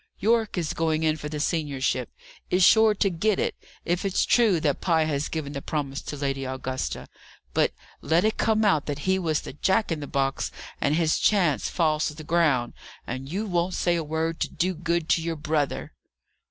Yorke is going in for the seniorship; is sure to get it if it's true that Pye has given the promise to Lady Augusta. But, let it come out that he was the Jack in the box, and his chance falls to the ground. And you won't say a word to do good to your brother!"